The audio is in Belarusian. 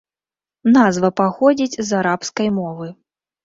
Назва паходзіць з арабскай мовы.